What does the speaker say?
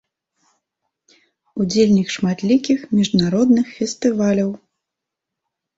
Удзельнік шматлікіх міжнародных фестываляў.